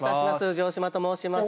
城島と申します。